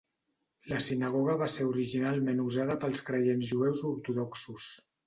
La sinagoga va ser originalment usada pels creients jueus ortodoxos.